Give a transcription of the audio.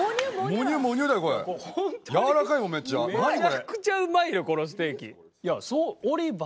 めちゃくちゃうまいよこのステーキ。